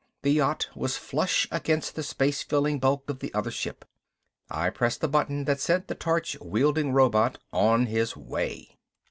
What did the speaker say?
The yacht was flush against the space filling bulk of the other ship. I pressed the button that sent the torch wielding robot on his way.